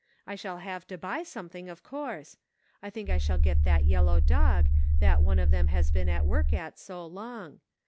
I shall have to buy some thing, of course. I think I shall get that yellow dog, that one of them has been at work at so long.